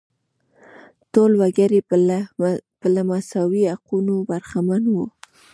ټول وګړي به له مساوي حقونو برخمن وو.